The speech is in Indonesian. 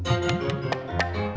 semangat anak bersama